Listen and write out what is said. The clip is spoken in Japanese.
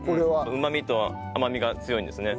うまみと甘みが強いんですね。